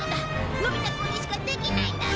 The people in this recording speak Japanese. のび太くんにしかできないんだぞ！